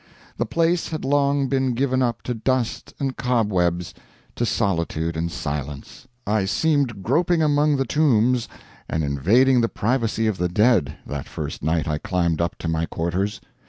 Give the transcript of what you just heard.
The place had long been given up to dust and cobwebs, to solitude and silence. I seemed groping among the tombs and invading the privacy of the dead, that first night I climbed up to my quarters.